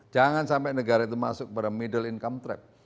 jangan sampai negara itu masuk pada middle income trap